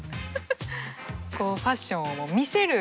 こうファッションを見せる。